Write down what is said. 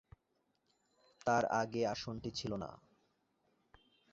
তার আগে আসনটি ছিল না।